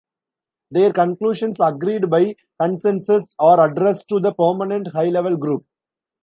Their conclusions, agreed by consensus, are addressed to the Permanent High Level Group.